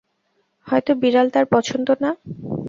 হয়তো বিড়াল তার পছন্দ না।